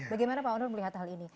bagaimana pak onl melihat hal ini